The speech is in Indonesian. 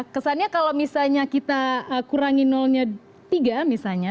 kesannya kalau misalnya kita kurangi nolnya tiga misalnya